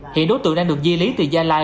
hiện đối tượng đang được di lý từ gia lai